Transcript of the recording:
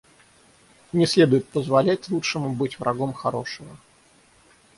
Не следует позволять лучшему быть врагом хорошего.